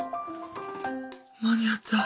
間に合った。